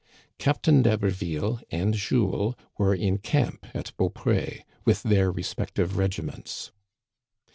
Captain d'Haberville and Jules were in camp at Beaupré, with their respective regi ments.